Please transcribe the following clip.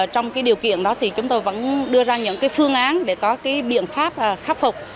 trong điều kiện đó thì chúng tôi vẫn đưa ra những phương án để có biện pháp khắc phục